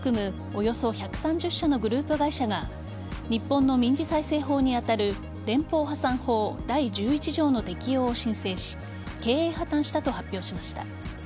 およそ１３０社のグループ会社が日本の民事再生法に当たる連邦破産法第１１条の適用を申請し経営破綻したと発表しました。